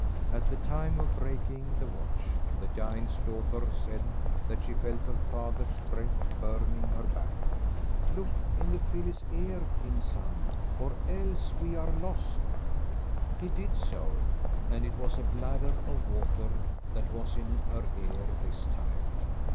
At the time of breaking the watch, the giant's daughter said that she felt her father's breath burning her back. "Look in the filly's ear, king's son, or else we are lost." He did so, and it was a bladder of water that was in her ear this time.